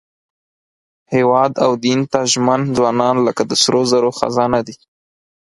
هېواد او دین ته ژمن ځوانان لکه د سرو زرو خزانه دي.